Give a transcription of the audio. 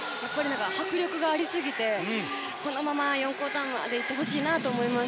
迫力がありすぎてこのまま４クオーターまでいってほしいなと思います。